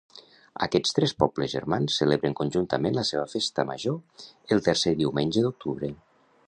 Aquests tres pobles germans celebren conjuntament la seva Festa Major el tercer diumenge d'octubre.